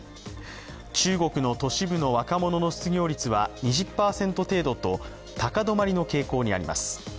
中国の都市部の若者の失業率は２０％程度と高止まりの傾向にあります。